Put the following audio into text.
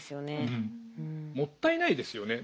もったいないですよね。